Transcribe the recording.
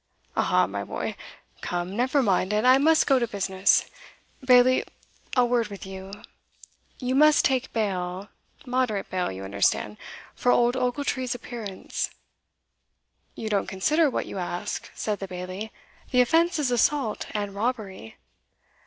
Aha, my boy! Come, never mind it; I must go to business. Bailie, a word with you: you must take bail moderate bail, you understand for old Ochiltree's appearance." "You don't consider what you ask," said the Bailie; "the offence is assault and robbery."